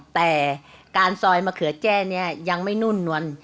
แต่กาลซอยมะเขือแจ้ยังไม่นุ่นนวน